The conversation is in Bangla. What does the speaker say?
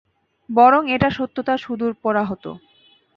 বরং এটার সত্যতা সুদূর পরাহত।